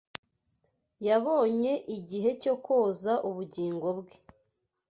Yabonye igihe cyo kōza ubugingo bwe